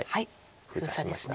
封鎖しました。